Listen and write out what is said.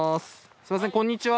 すみませんこんにちは！